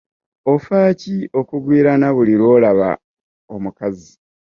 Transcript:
Ofa ki okugwirana buli lw'olaba omukazi?